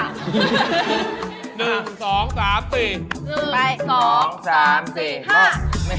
ไม่แทบไม่แทบ